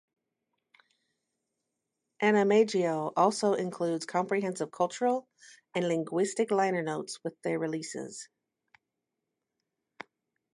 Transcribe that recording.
AnimEigo also includes comprehensive cultural and linguistic liner notes with their releases.